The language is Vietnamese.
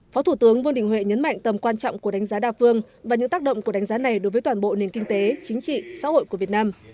phó thủ tướng vương đình huệ nhấn mạnh tầm quan trọng của đánh giá đa phương và những tác động của đánh giá này đối với toàn bộ nền kinh tế chính trị xã hội của việt nam